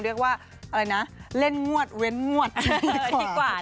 เรียกว่าอะไรนะเล่นงวดเว้นงวดเลยดีกว่า